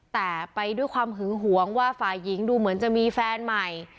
แต่ไปด้วยความหึงหวงว่าฝ่ายหญิงดูเหมือนจะมีแฟนใหม่